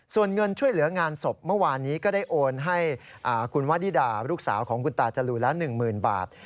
ส่วนเงินช่วยเหลืองานศพเมื่อวานนี้ก็ได้โอนให้คุณวัดดีดาลูกสาวของคุณตาจะหลุยละหนึ่งหมื่นบาท